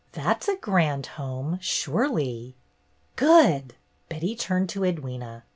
"That 's a grand home, surely." "Good!" Betty turned to Edwyna.